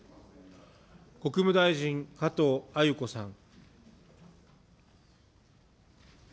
国務大臣、加藤鮎子さん。